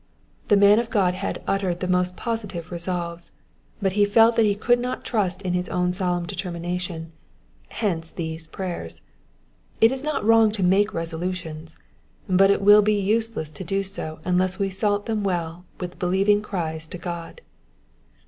The man of God had uttered the most positive resolves, but he felt that he could not trust in his own solemn determination : hence these prayers. It is not wrong to make resolutions, but it will be useless to do so unless we salt them well with believing cries to God.